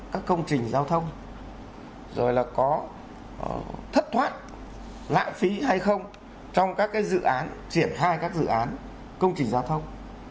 các công trình giao thông rồi là có thất thoát lãng phí hay không trong các dự án triển khai các dự án công trình giao thông